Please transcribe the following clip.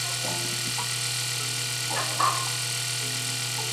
Un jardín público y un portan su nombre en Clermont-Ferrand.